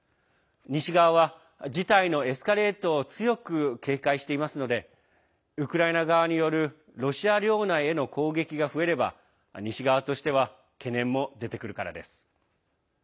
西側は事態のエスカレートを強く警戒していますのでウクライナ側によるロシア領内への攻撃が増えれば西側としては懸念も出てくるからです。